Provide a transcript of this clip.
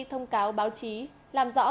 thông cáo báo chí làm rõ